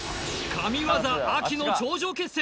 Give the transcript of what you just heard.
神業秋の頂上決戦！